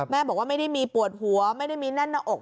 บอกว่าไม่ได้มีปวดหัวไม่ได้มีแน่นหน้าอก